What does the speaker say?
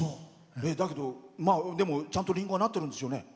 だけど、ちゃんとリンゴはなってるんですよね。